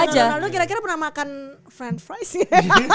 cristiano ronaldo kira kira pernah makan french fries ya